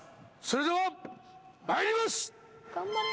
それではまいります！